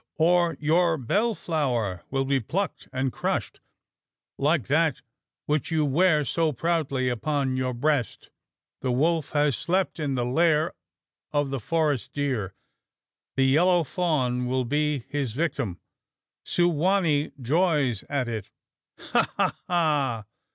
or your bell flower will be plucked and crushed, like that which you wear so proudly upon your breast. The wolf has slept in the lair of the forest deer: the yellow fawn will be his victim! Su wa nee joys at it: ha, ha, ha!